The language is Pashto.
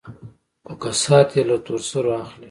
خو كسات يې له تور سرو اخلي.